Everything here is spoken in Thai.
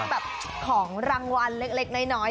ก็เป็นแบบของรางวัลเล็กน้อย